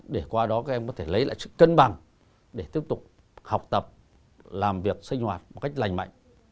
để qua đó các em có thể lấy lại sự cân bằng để tiếp tục học tập làm việc sinh hoạt một cách lành mạnh